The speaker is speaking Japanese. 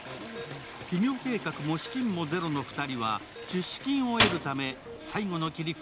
起業計画も資金もゼロの２人は出資金を得るため最後の切り札